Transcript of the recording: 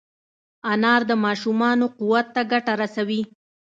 انار د ماشومانو قوت ته ګټه رسوي.